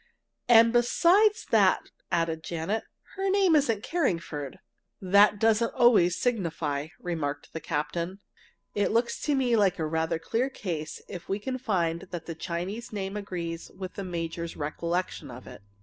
"And besides that," added Janet, "her name isn't Carringford!" "That doesn't always signify," remarked the captain. "It looks to me like a rather clear case if we find that the Chinese name agrees with the major's recollection of it.